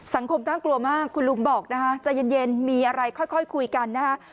สังคมน่ากลัวมากคุณลุงบอกนะคะใจเย็นมีอะไรค่อยคุยกันนะฮะ